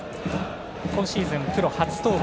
今シーズン、プロ初登板。